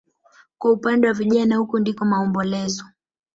Kwa upande wa vijana huku ndiko maombolezo